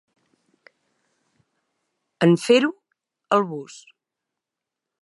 En fer-ho, el bus.